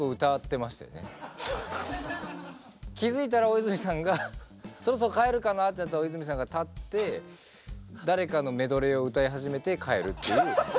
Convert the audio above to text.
気付いたら大泉さんがそろそろ帰るかなってなったら大泉さんが立って誰かのメドレーを歌い始めて帰るっていう。